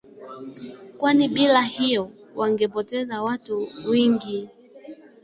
kwani bila hiyo, wangepoteza watu wingi.